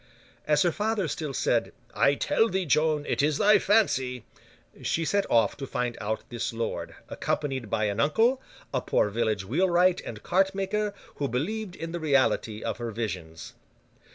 As her father still said, 'I tell thee, Joan, it is thy fancy,' she set off to find out this lord, accompanied by an uncle, a poor village wheelwright and cart maker, who believed in the reality of her visions.